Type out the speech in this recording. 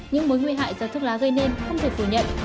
những mối nguy hại do thuốc lá gây nên không thể phủ nhận